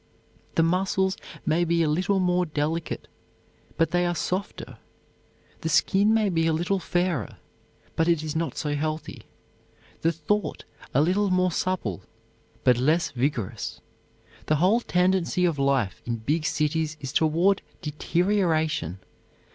The muscles may be a little more delicate but they are softer; the skin may be a little fairer, but it is not so healthy; the thought a little more supple, but less vigorous. The whole tendency of life in big cities is toward deterioration.